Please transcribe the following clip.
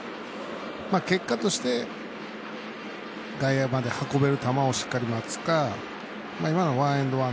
結果として、外野まで運べる球をしっかり待つか今のワンエンドワン